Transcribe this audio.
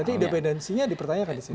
jadi independensinya dipertanyakan disini